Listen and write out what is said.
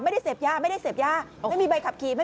ไม่ได้เสพยาไม่มีใบขับขี่